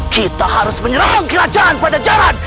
kita harus menyerahkan kerajaan pada jalan